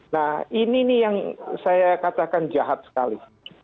nah ini nih yang saya katakan jahat sekali